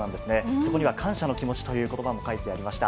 そこには感謝の気持ちということばも書いてありました。